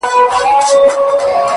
او له سترگو يې څو سپيني مرغلري ـ